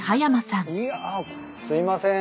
すいません。